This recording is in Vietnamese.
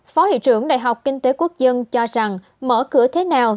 phó hiệu trưởng đại học kinh tế quốc dân cho rằng mở cửa thế nào